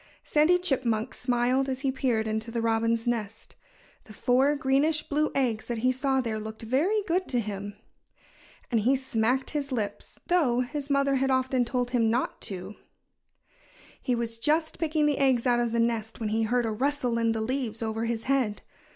Sandy Chipmunk smiled as he peered into the robin's nest. The four greenish blue eggs that he saw there looked very good to him. And he smacked his lips though his mother had often told him not to. He was just picking the eggs out of the nest when he heard a rustle in the leaves over his head.